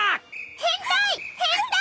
変態変態！